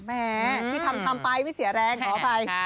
แม่ที่ทำไปไม่เสียแรงขออภัย